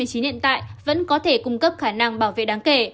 hiện tại vẫn có thể cung cấp khả năng bảo vệ đáng kể